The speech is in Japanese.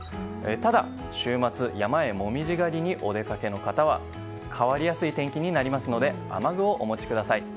ただ週末山へ紅葉狩りへお出かけの方は変わりやすい天気になりますので雨具をお持ちください。